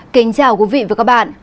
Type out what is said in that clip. kính chào quý vị và các bạn